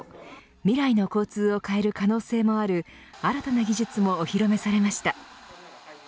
未来の交通を変える可能性もある新たな技術もお披露目されました。